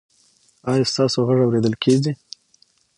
ایا ستاسو غږ اوریدل کیږي؟